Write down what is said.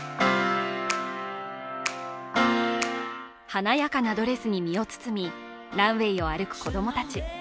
華やかなドレスに身を包み、ランウェイを歩く子供たち。